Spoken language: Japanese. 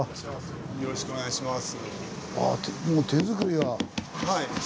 よろしくお願いします。